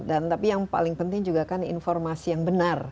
dan tapi yang paling penting juga kan informasi yang benar